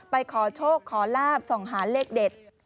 ไปคอโชคคอราบส่งหาเลขเด็ด